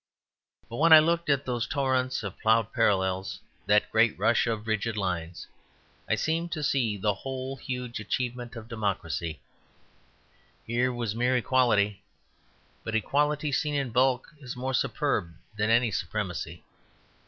But when I looked at those torrents of ploughed parallels, that great rush of rigid lines, I seemed to see the whole huge achievement of democracy, Here was mere equality: but equality seen in bulk is more superb than any supremacy.